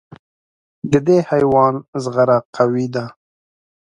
د دې حیوان زغره قوي ده.